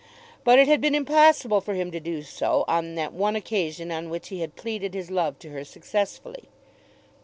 But it had been impossible for him to do so on that one occasion on which he had pleaded his love to her successfully.